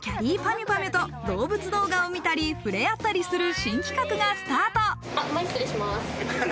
ゅと動物動画を見たり触れ合ったりする新企画がスタート。